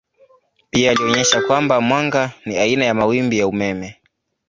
Pia alionyesha kwamba mwanga ni aina ya mawimbi ya umeme.